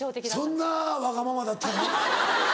そんなわがままだったの？